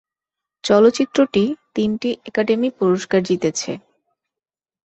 চলচ্চিত্রটি তিনটি একাডেমী পুরস্কার জিতেছে।